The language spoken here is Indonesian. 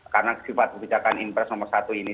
karena sifat pekerjaan impres nomor satu ini